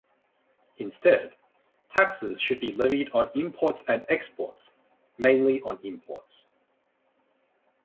Instead, taxes should be levied on imports and exports, mainly on imports.